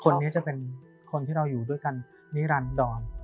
คนนี้จะเป็นคนที่เราอยู่ด้วยกันนิรันดร